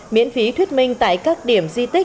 miễn phí thuyết minh tại các điểm di tích